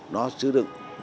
nó chứa đựng